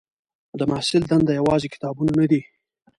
د محصل دنده یوازې کتابونه نه دي.